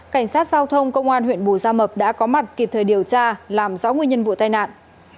cảnh sát giao thông công an huyện bù gia mập đã có mặt kịp thời điều tra làm rõ nguyên nhân vụ tai nạn